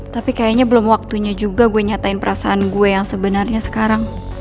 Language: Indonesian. tapi kayaknya belum waktunya juga gue nyatain perasaan gue yang sebenarnya sekarang